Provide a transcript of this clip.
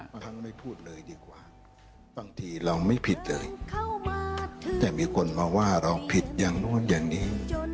บางทีเราไม่ผิดเลยแต่มีคนมาว่าเราผิดอย่างโน้นอย่างนี้